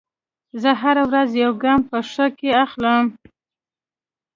زه هره ورځ یو ګام په ښه کې اخلم.